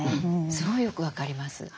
すごいよく分かります。